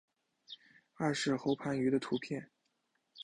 艾氏喉盘鱼的图片